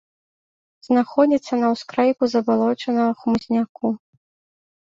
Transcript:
Знаходзіцца на ўскрайку забалочанага хмызняку.